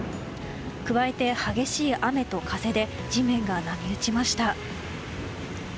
加えて激しい雨と風で地面が波打ちました。